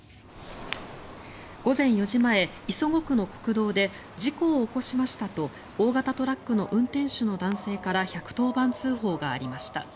午前４時前、磯子区の国道で事故を起こしましたと大型トラックの運転手の男性から１１０番通報がありました。